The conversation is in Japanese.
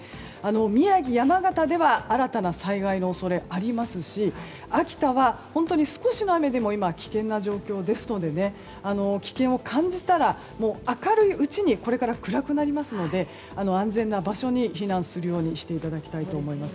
宮城、山形では新たな災害の恐れがありますし秋田は本当に少しの雨でも危険な状況ですので危険を感じたら明るいうちにこれから暗くなりますので安全な場所に避難するようにしていただきたいと思います。